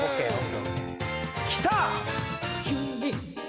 きた！